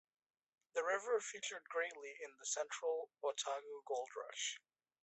The river featured greatly in the Central Otago goldrush.